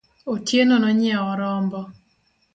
Otieno nonyiewo rombo